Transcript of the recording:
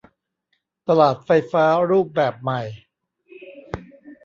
ตลาดไฟฟ้ารูปแบบใหม่